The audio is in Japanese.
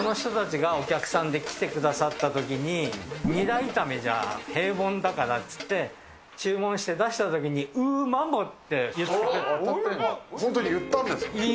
その人たちがお客さんで来てくださったときに、ニラ炒めじゃ平凡だからと言って、注文して出したときに、うー、本当に言ったんですか？